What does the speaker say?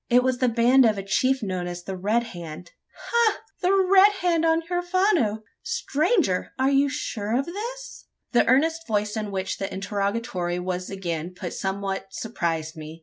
It was the band of a chief known as the Red Hand." "Ha! The Red Hand on the Huerfano! Stranger! are you sure of this?" The earnest voice in which the interrogatory was again put somewhat surprised me.